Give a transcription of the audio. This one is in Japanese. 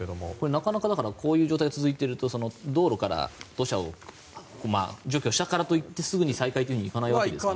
なかなかこういう状態が続いていると、道路から土砂を除去したからといってすぐ再開とはいかないですよね。